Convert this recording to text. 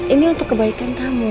ini untuk kebaikan kamu